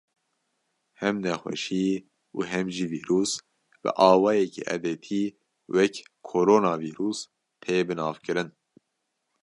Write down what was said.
Hem nexweşî û hem jî vîrus bi awayekî edetî wek “koronavîrus” tê binavkirin.